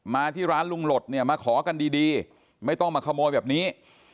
ที่ร้านลุงหลดเนี่ยมาขอกันดีไม่ต้องมาขโมยแบบนี้